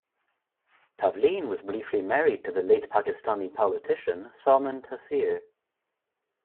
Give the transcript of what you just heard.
Tavleen was briefly married to the late Pakistani politician Salman Taseer.